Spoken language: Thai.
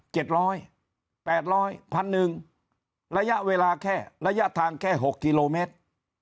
ร้อยแปดร้อยพันหนึ่งระยะเวลาแค่ระยะทางแค่หกกิโลเมตร